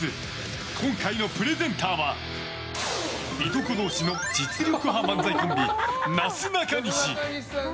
今回のプレゼンターはいとこ同士の実力派漫才コンビなすなかにし。